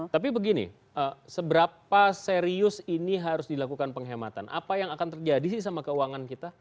tapi begini seberapa serius ini harus dilakukan penghematan apa yang akan terjadi sih sama keuangan kita